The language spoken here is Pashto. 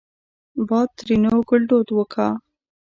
باد؛ ترينو ګړدود وګا